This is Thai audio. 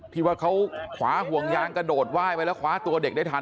ที่ว่าเขาขวาห่วงยางกระโดดไหว้ไปแล้วคว้าตัวเด็กได้ทัน